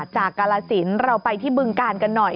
กาลสินเราไปที่บึงกาลกันหน่อย